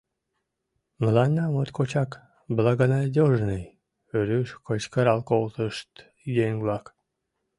— Мыланна моткочак благонадёжный! — рӱж кычкырал колтышт еҥ-влак.